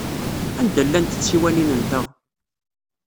Anda llant tsiwanin-nteɣ?